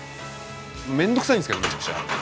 めんどくさいんですけどめちゃくちゃ。